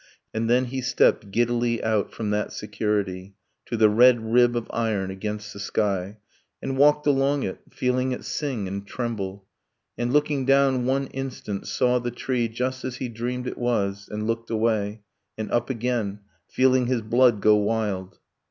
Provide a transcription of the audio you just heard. . And then he stepped Giddily out, from that security, To the red rib of iron against the sky, And walked along it, feeling it sing and tremble; And looking down one instant, saw the tree Just as he dreamed it was; and looked away, And up again, feeling his blood go wild.